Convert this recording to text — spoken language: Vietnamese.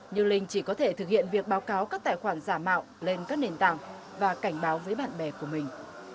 như linh chỉ có thể thực hiện việc báo cáo các tài khoản giả mạo lên các nền tảng và cảnh báo với bạn bè của mình